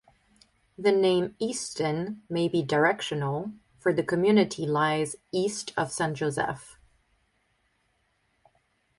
The name Easton may be directional, for the community lies east of Saint Joseph.